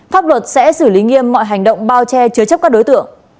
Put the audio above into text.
pháp luật sẽ xử lý nghiêm mọi hành động bao che chứa chấp các đối tượng